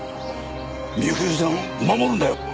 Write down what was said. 美冬さんを守るんだよ。